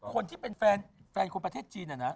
คนที่เป็นแฟนคุณประเทศจีนอ่ะนะ